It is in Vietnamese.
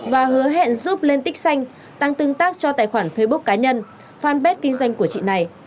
và hứa hẹn giúp lên tích xanh tăng tương tác cho tài khoản facebook cá nhân fanpage kinh doanh của chị này